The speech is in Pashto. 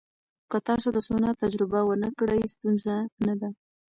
که تاسو د سونا تجربه ونه کړئ، ستونزه نه ده.